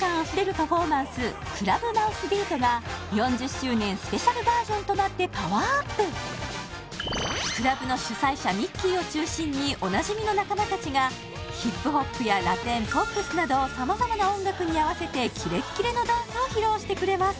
パフォーマンスクラブマウスビートが４０周年スペシャルバージョンとなってパワーアップクラブの主催者ミッキーを中心におなじみの仲間達がヒップホップやラテンポップスなど様々な音楽に合わせてキレッキレのダンスを披露してくれます